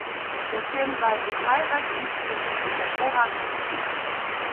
Der Film sei „detailreich inszeniert“ und „hervorragend gespielt“.